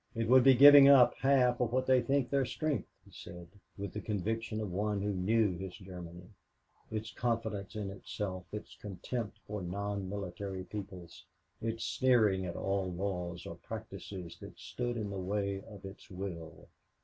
It would be giving up half of what they think their strength," he said, with the conviction of one who knew his Germany its confidence in itself, its contempt for non military peoples, its sneering at all laws or practices that stood in the way of its will.